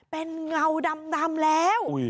เป็นเงาดำแล้ว